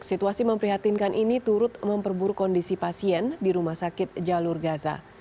situasi memprihatinkan ini turut memperburuk kondisi pasien di rumah sakit jalur gaza